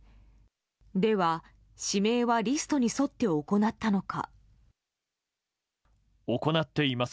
では、指名はリストに沿って行ったのか？